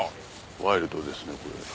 ワイルドですねこれ。